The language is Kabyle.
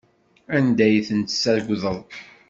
Anda ay ten-tessagdeḍ?